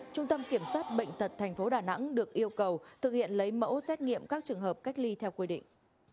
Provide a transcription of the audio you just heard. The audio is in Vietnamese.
trung tâm kiểm soát bệnh tật tp đà nẵng được yêu cầu thực hiện lấy mẫu xét nghiệm các trường hợp cách ly theo quy định